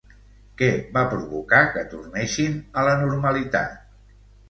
Què va provocar que tornessin a la normalitat?